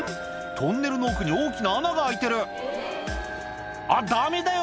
トンネルの奥に大きな穴が開いてるあっダメだよ